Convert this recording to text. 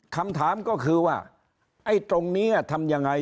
คำถามก็คือว่าไอ่ตรงเนี่ยทำอย่างไร